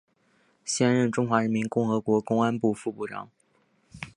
现任中华人民共和国公安部副部长。